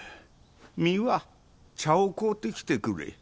三輪茶を買うてきてくれ。